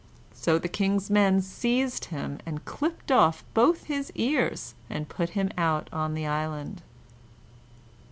So the King's men seized him, and clipped off both his ears, and put him out on the island.